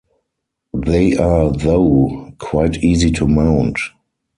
They are though quite easy to mount.